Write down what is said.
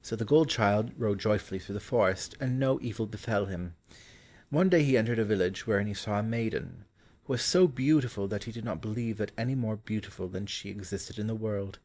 So the gold child rode joyfully through the forest, and no evil befell him. One day he entered a village wherein he saw a maiden, who was so beautiful that he did not believe that any more beautiful than she existed in the world.